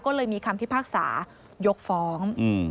ก็เลยมีคำพิพากษายกฟ้อง